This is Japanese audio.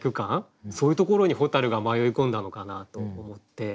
そういうところに蛍が迷い込んだのかなと思って。